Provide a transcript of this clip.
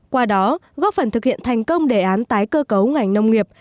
qua đó góp phần thực hiện thành công đề án tái cơ cấu ngành nông nghiệp